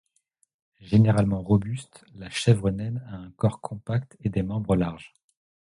Généralement robuste, la chèvre naine a un corps compact et des membres larges.